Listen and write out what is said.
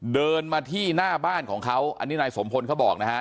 เดินมาที่หน้าบ้านของเขาอันนี้นายสมพลเขาบอกนะฮะ